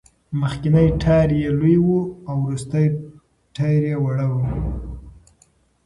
مخکېنی ټایر یې لوی و، وروستی ټایر وړه و.